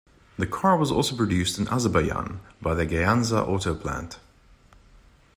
The car was also produced in Azerbaijan by the Gyandzha Auto Plant.